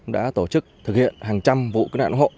đã tổ chức thực hiện hàng trăm vụ cầu nạn cầu hộ